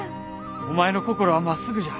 お前の心はまっすぐじゃ。